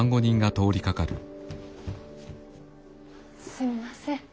すみません。